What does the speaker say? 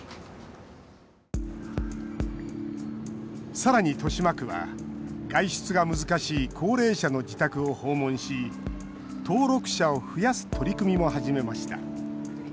さらに豊島区は、外出が難しい高齢者の自宅を訪問し登録者を増やす取り組みも始めました